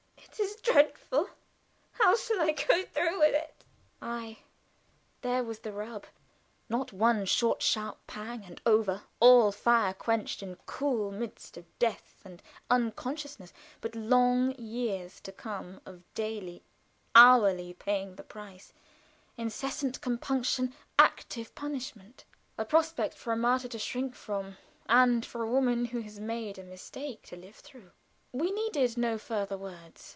It is dreadful! How shall I go through with it?" Ay, there was the rub! Not one short, sharp pang, and over all fire quenched in cool mists of death and unconsciousness, but long years to come of daily, hourly, paying the price; incessant compunction, active punishment. A prospect for a martyr to shirk from, and for a woman who has made a mistake to live through. We needed not further words.